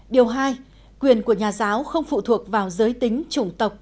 điều hai quyền của nhà giáo không phụ thuộc vào giới tính trùng tộc